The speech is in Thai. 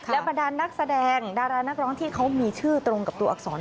และบรรดานนักแสดงดารานักร้องที่เขามีชื่อตรงกับตัวอักษร